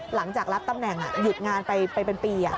หลังจากรับตำแหน่งหยุดงานไปเป็นปี